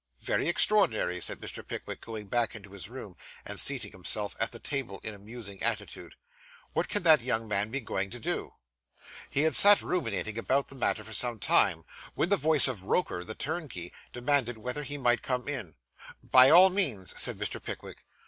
'Very extraordinary,' said Mr. Pickwick, going back into his room, and seating himself at the table in a musing attitude. 'What can that young man be going to do?' He had sat ruminating about the matter for some time, when the voice of Roker, the turnkey, demanded whether he might come in. 'By all means,' said Mr. Pickwick.